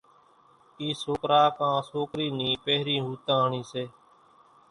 اِي سوڪرا ڪان سوڪري ني پھرين ۿوتاۿڻي سي ۔